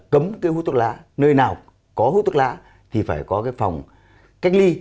cấm cái thuốc lá nơi nào có thuốc lá thì phải có cái phòng cách ly